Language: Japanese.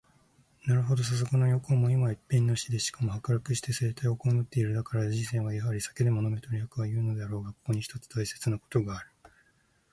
なるほど、さすがの羊公も、今は一片の石で、しかも剥落して青苔を蒙つてゐる。だから人生はやはり酒でも飲めと李白はいふのであらうが、ここに一つ大切なことがある。